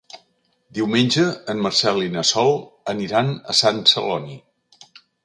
Diumenge en Marcel i na Sol aniran a Sant Celoni.